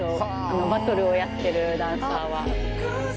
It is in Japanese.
バトルをやってるダンサーは。